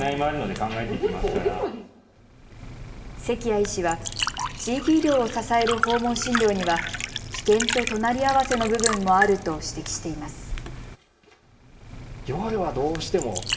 関谷医師は地域医療を支える訪問診療には危険と隣り合わせの部分もあると指摘しています。